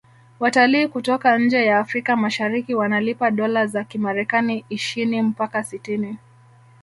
watalii kutoka nje ya afrika mashariki wanalipa dola za kimarekani ishini mpaka sitini